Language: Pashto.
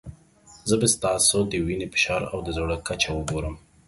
زه به ستاسو د وینې فشار او د زړه کچه وګورم.